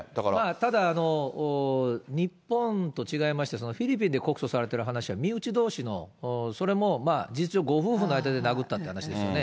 ただ、日本と違いまして、フィリピンで告訴されてる話は身内どうしの、それも事実上、ご夫婦の間で殴ったって話ですよね。